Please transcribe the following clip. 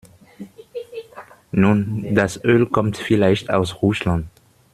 Nun, das Öl kommt vielleicht aus Russland.